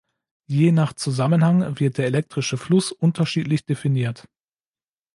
Je nach Zusammenhang wird der elektrische Fluss unterschiedlich definiert.